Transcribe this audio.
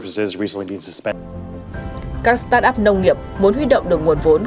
các start up nông nghiệp muốn huy động được nguồn vốn